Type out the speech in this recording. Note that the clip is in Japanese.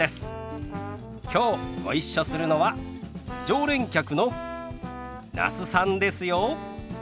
きょうご一緒するのは常連客の那須さんですよ。